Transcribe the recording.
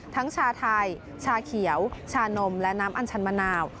ชาไทยชาเขียวชานมและน้ำอัญชันมะนาว